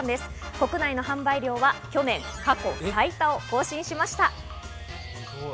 国内の販売量は去年、過去最多を更新しました。